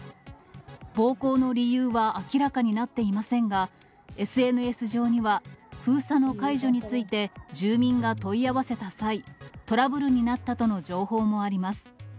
暴行の理由は明らかになっていませんが、ＳＮＳ上には、封鎖の解除について住民が問い合わせた際、トラブルになったとの情報もあります。